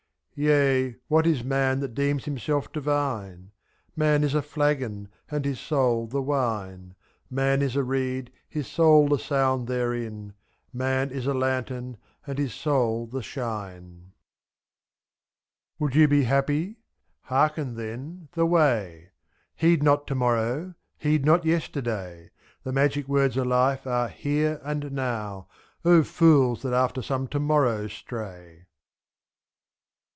Yea! what is man that deems himself divine? Man is a flagon, and his soul the wine; ^3. Man is a reed, his soul the sound therein; Man is a lantern, and his soul the shine. Would you be happy! hearken, then, the way: Heed not To morrow, heed not Yesterday; <^ f.The magic words of life are Here and Now — O fools, that after some to morrow stray!